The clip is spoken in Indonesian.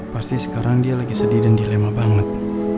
pasti sekarang dia lagi sedih dan dilema banget